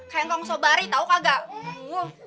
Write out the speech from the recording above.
kayak gak ngusobari tau kagak